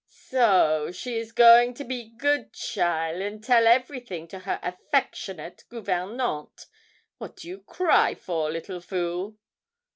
'So she is going to be good cheaile, and tell everything to her affectionate gouvernante. What do you cry for, little fool?'